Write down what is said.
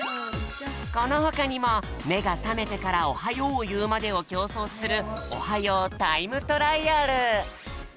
このほかにもめがさめてからおはようをいうまでをきょうそうする「おはようタイムトライアル」。